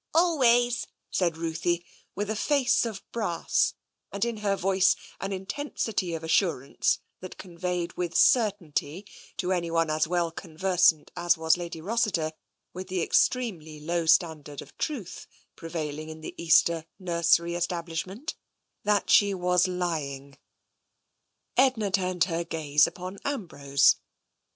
'' Always/' ssiid Ruthie, with a face of brass, and in her voice an intensity of assurance that conveyed TENSION 203 with certainty, to anyone as well conversant as was Lady Rossiter with the extremely low standard of truth prevailing in the Easter nursery establishment, that she was lying. Edna turned her gaze upon Ambrose.